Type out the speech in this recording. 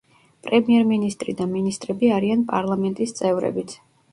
პრემიერ-მინისტრი და მინისტრები არიან პარლამენტის წევრებიც.